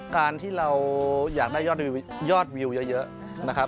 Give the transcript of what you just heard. การที่เราอยากได้ยอดวิวเยอะนะครับ